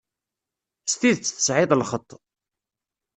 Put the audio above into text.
S tidet tesεiḍ lxeṭṭ.